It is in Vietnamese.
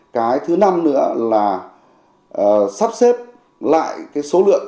cái thứ năm nữa là sắp xếp lại cái số lượng